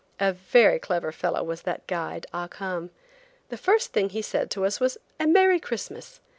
A very clever fellow was that guide, Ah Cum. The first thing he said to us was "A Merry Christmas!"